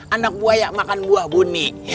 anak buaya makan buah bunyi